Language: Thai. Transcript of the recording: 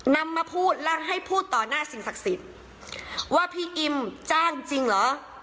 นำมาพูดและให้พูดต่อหน้าสิ่งศักดิ์สิทธิ์ว่าพี่อิมจ้างจริงเหรอ